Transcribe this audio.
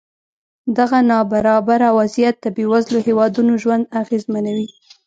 دغه نابرابره وضعیت د بېوزلو هېوادونو ژوند اغېزمنوي.